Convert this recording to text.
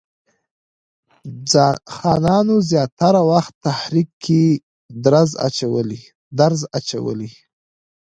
خانانو زیاتره وخت تحریک کې درز اچولی.